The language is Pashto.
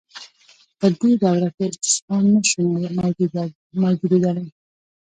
په دې دوره کې استثمار نشو موجودیدلای.